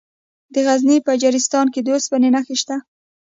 د غزني په اجرستان کې د اوسپنې نښې شته.